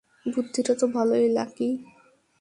বুদ্ধিটা তো ভালোই, লাকি।